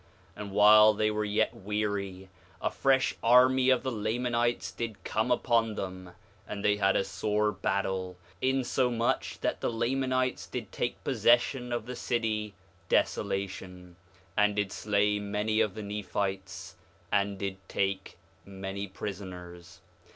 And while they were yet weary, a fresh army of the Lamanites did come upon them; and they had a sore battle, insomuch that the Lamanites did take possession of the city Desolation, and did slay many of the Nephites, and did take many prisoners.